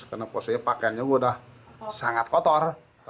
karena posisinya pakaiannya udah sangat kotor